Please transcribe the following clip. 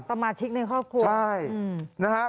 สมาชิกในครอบครัวใช่